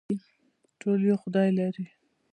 ټول یو خدای لري